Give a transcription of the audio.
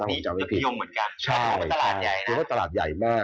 นี่เรียบยกพิโยงเหมือนกันเพราะโขมองว่าตลาดใหญ่มาก